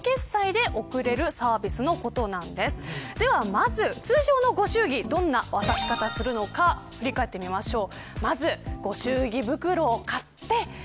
まず通常のご祝儀、どんな渡し方をするのか振り返ってみましょう。